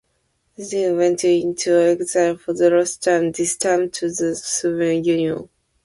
Zetkin went into exile for the last time, this time to the Soviet Union.